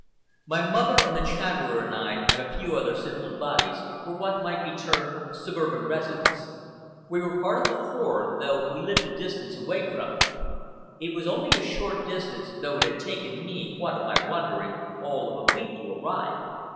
My mother and the Chatterer and I, and a few other simple bodies, were what might be termed suburban residents. We were part of the horde, though we lived a distance away from it. It was only a short distance, though it had taken me, what of my wandering, all of a week to arrive.